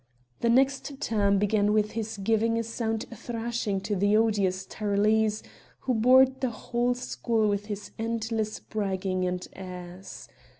The next term began with his giving a sound thrashing to the odious Tyrolese who bored the whole school with his endless bragging and airs.